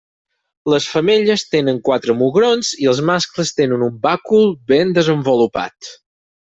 Les femelles tenen quatre mugrons i els mascles tenen un bàcul ben desenvolupat.